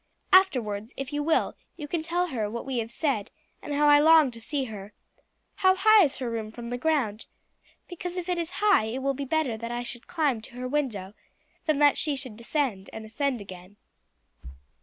Afterwards, if you will, you can tell her what we have said, and how I long to see her. How high is her room from the ground? Because if it is high it will be better that I should climb to her window, than that she should descend and ascend again."